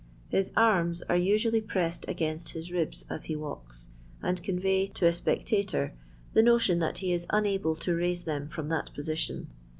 His arms are usually pressed against his ribs as he walks, and convey to a spectator the notion that he is unable to raise them from that position.